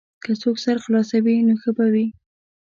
که څوک سر خلاصوي نو ښه به وي.